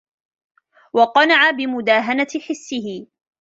وَقَنَعَ بِمُدَاهَنَةِ حِسِّهِ